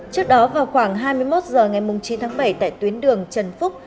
trước đó vào khoảng hai mươi một h ngày chín tháng bảy tại tuyến đường trần phúc